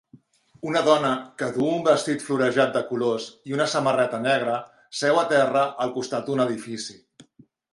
Una dona que duu un vestit florejat de colors i una samarreta negra seu a terra al costat d'un edifici.